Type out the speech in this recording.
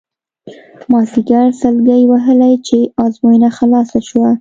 مازیګر سلګۍ وهلې چې ازموینه خلاصه شوه.